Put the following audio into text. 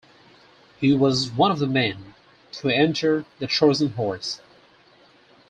He was one of the men to enter the Trojan Horse.